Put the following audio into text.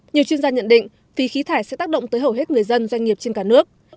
nhiều chuyên gia nhận định phí khí thải sẽ tác động tới hầu hết người dân doanh nghiệp trên cả nước